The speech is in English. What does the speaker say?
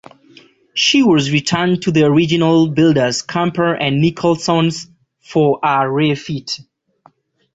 She was returned to the original builders, Camper and Nicholsons, for a refit.